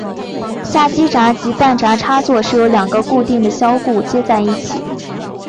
下机匣及弹匣插座是由两个固定销固接在一起。